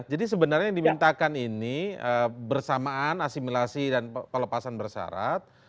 jadi sebenarnya yang dimintakan ini bersamaan asimilasi dan pelepasan bersyarat